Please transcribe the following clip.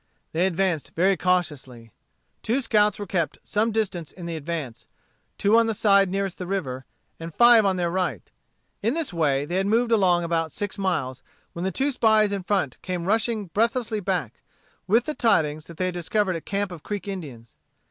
They advanced very cautiously. Two scouts were kept some distance in the advance, two on the side nearest the river, and five on their right. In this way they had moved along about six miles, when the two spies in front came rushing breathlessly back, with the tidings that they had discovered a camp of Creek Indians.